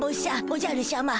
おじゃるしゃま。